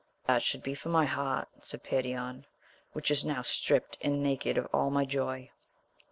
That should be for my heart, said Perion, which is now stript and naked of all my joy.